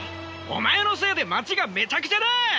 お前のせいで街がめちゃくちゃだ！